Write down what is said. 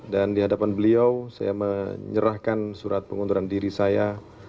dan di hadapan beliau saya menyerahkan surat pengunturan diri saya